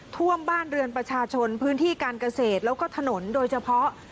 ท่วมบ้านเรือนประชาชนพื้นที่การเกษตรแล้วก็ถนนโดยเฉพาะ